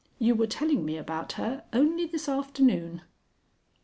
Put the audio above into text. "You were telling me about her only this afternoon."